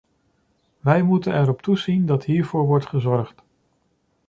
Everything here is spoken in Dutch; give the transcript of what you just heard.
Wij moeten erop toezien dat hiervoor wordt gezorgd.